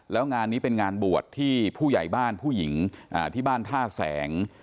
แล้วงานนี้เป็นงานบวชที่ผู้ใหญ่บ้านผู้หญิงที่บ้านท่าแสง